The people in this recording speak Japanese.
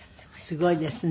すごいですね。